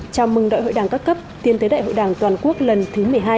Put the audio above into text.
chào mừng đại hội đảng các cấp tiến tới đại hội đảng toàn quốc lần thứ một mươi hai